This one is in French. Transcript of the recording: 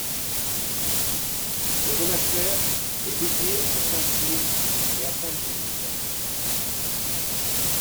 Le monastère est dédié à saint Cyr et à sainte Julitte.